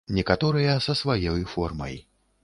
Некаторыя са сваёй формай.